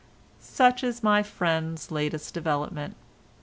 Such is my friend's latest development.